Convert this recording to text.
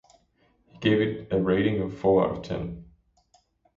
He gave it a rating of four out of ten.